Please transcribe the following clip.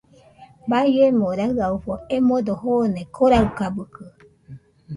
Baiemo raɨafo emodo joone Koraɨkabɨkɨ